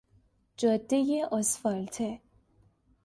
جادهی آسفالته